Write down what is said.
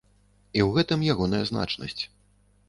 І ў гэтым ягоная значнасць.